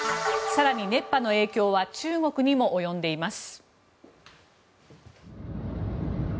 更に、熱波の影響は中国にも及んでいます。